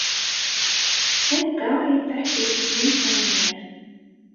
Anta ay d taḥkayt-nnem tamenyaft?